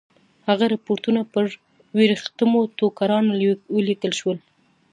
هغه رپوټونه پر ورېښمینو ټوکرانو ولیکل شول.